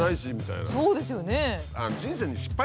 そうですよね！